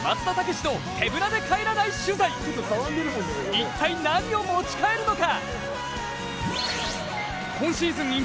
一体、何を持ち帰るのか？